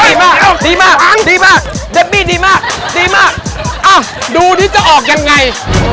ดีมากดีมากดีมากดีมากดีมากดีมากดูที่จะออกยังไง